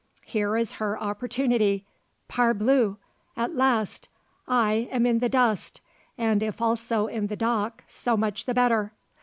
Here is her opportunity parbleu! At last! I am in the dust and if also in the dock so much the better.